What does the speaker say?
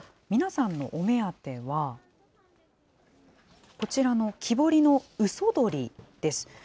皆さんのお目当ては、こちらの木彫りの鷽鳥です。